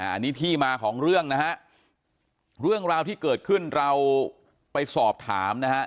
อันนี้ที่มาของเรื่องนะฮะเรื่องราวที่เกิดขึ้นเราไปสอบถามนะฮะ